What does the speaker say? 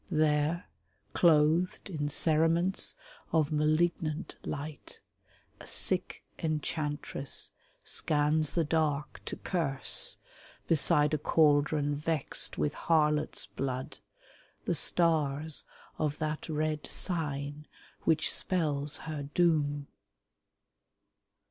There, clothed in cerements of malignant light, A sick enchantress scans the dark to curse, Beside a caldron vext with harlots' blood, The stars of that red Sign which spells her doom.